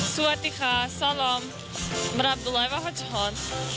สวัสดีค่ะสลัมบรับด้วยวัฒนธรรม